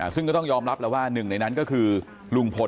ซึ่งก็ต้องยอมรับแล้วว่าหนึ่งในนั้นก็คือลุงพล